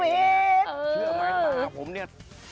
เชื่อมั้ยป่าผมนี่